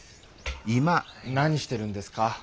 何してるんですか？